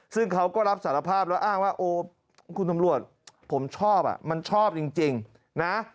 ซึ่งเขาก็รับสารภาพแล้วอ้างว่าโอ้คุณตำรวจผมชอบอ่ะมันชอบจริงนะ